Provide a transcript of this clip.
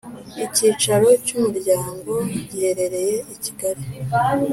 Icyicaro cy’ umuryango giherereye ikigali.